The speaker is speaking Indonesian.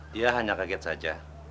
dia hanya kaget saja